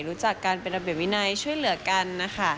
รู้จักกันเป็นระเบียบวินัยช่วยเหลือกันนะคะ